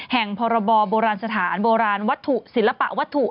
แห่งพรบโบราณสถานโบราณวัตถุศิลปะวัตถุ